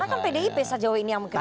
karena kan pdip saja yang kritik